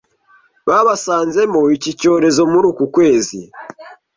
babasanzemo iki cyorezo muri uku kwezi.